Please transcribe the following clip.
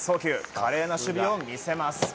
華麗な守備を見せます。